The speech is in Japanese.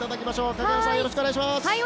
影山さんよろしくお願いします。